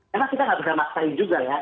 memang kita nggak bisa maksain juga ya